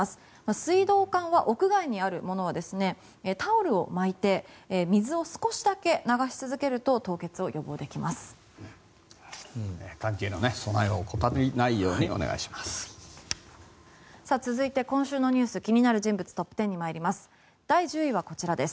水道管は屋外にあるものはタオルを巻いて水を少しだけ流し続けると凍結を予防できます。